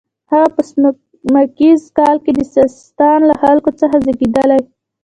هغه په سپوږمیز کال کې د سیستان له خلکو څخه زیږېدلی.